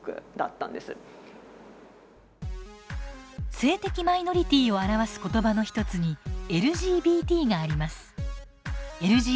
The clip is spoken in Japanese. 性的マイノリティーを表す言葉の一つに「ＬＧＢＴ」があります。